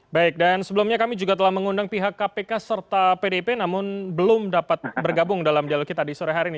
baik dan sebelumnya kami juga telah mengundang pihak kpk serta pdp namun belum dapat bergabung dalam dialog kita di sore hari ini